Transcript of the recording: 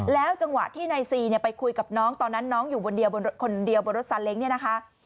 จังหวะที่นายซีเนี่ยไปคุยกับน้องตอนนั้นน้องอยู่บนคนเดียวบนรถซาเล้งเนี่ยนะคะ